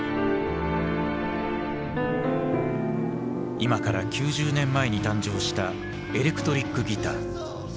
今から９０年前に誕生したエレクトリックギター。